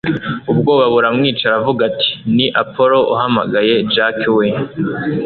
ubwoba buramwica aravuga ati ni appolo uhamagaye jack we